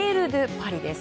パリです。